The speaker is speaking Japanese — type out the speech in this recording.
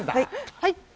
はい。